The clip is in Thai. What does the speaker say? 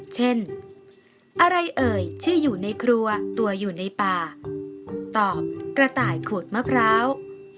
เช่นอะไรเอ่ยที่อยู่ในครัวตัวอยู่ในป่าตอบกระต่ายขูดมะพร้าว